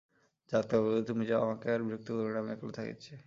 যাও ডাক্তারবাবু, তুমি যাও–আমাকে আর বিরক্ত করিয়ো না, আমি একলা থাকিতে চাই।